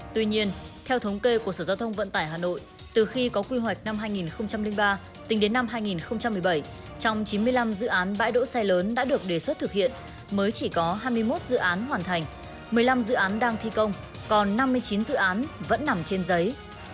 tuy nhiên theo thống kê của sở giao thông vận tải hà nội từ khi có quy hoạch năm hai nghìn ba tính đến năm hai nghìn một mươi bảy trong chín mươi năm dự án bãi đỗ xe lớn đã được đề xuất thực hiện mới chỉ có hai mươi một dự án hoàn thành một mươi năm dự án đang thi công còn năm mươi chín dự án vẫn nằm trên giấy